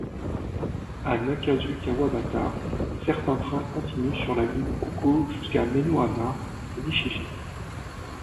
A Nakasu-Kawabata, certains trains continuent sur la ligne Kūkō jusqu'à Meinohama ou Nishijin.